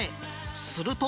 すると。